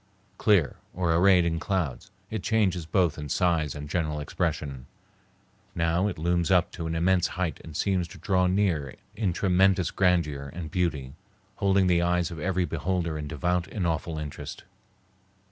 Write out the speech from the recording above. Clear, or arrayed in clouds, it changes both in size and general expression. Now it looms up to an immense height and seems to draw near in tremendous grandeur and beauty, holding the eyes of every beholder in devout and awful interest.